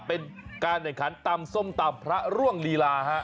เป็นการแข่งขันตำส้มตำพระร่วงลีลาฮะ